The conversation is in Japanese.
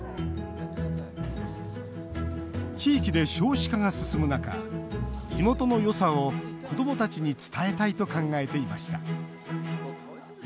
地域で少子化が進む中地元のよさを子どもたちに伝えたいと考えていました。